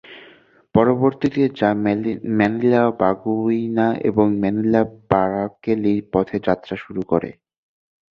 পরবর্তিতে যা ম্যানিলা-বাগুইনা এবং ম্যানিলা-পারাকেলি পথে যাত্রা শুরু করে।